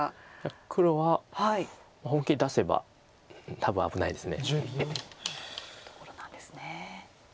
黒が本気出せば多分危ないです。